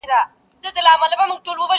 چي له لاسه مي دهقان لره كور اور سو٫